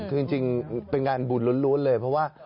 คือจริงเป็นงานบุญล้วนเลยเพราะว่า